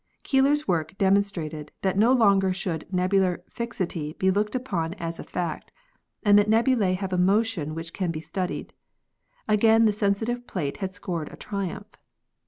Keeler's work demonstrated that no longer should nebular fixity be looked upon as a fact and that nebulae have a motion which can be studied. Again the sensitive plate had scored a triumph.